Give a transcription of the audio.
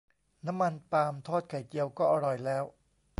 น้ำมันปาล์มทอดไข่เจียวก็อร่อยแล้ว